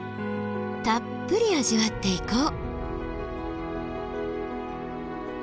たっぷり味わっていこう！